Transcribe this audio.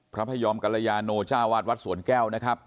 พระพยอมกรยาโนจ้าวาดวัดสวนแก้วนะครับ